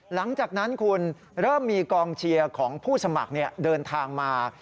หลังจากนั้นคุณเริ่มมีกองเชียร์ของผู้สมัครเดินทางมา